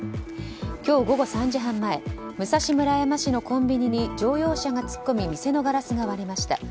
今日午前３時半前武蔵村山市のコンビニに乗用車が突っ込み店のガラスが割れました。